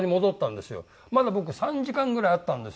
まだ僕３時間ぐらいあったんですよ。